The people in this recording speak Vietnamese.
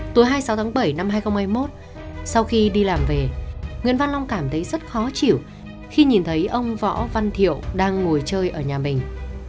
tối hai mươi sáu tháng bảy năm hai nghìn hai mươi một sau khi đi làm về nguyễn văn long cảm thấy rất khó chịu khi nhìn thấy ông võ văn thiệu đang ngồi chơi ở nhà mình